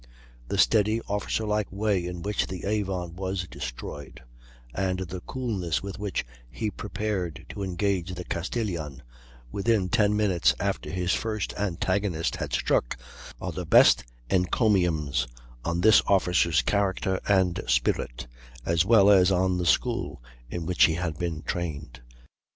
The steady, officer like way in which the Avon was destroyed, and the coolness with which he prepared to engage the Castilian within ten minutes after his first antagonist had struck, are the best encomiums on this officer's character and spirit, as well as on the school in which he had been trained."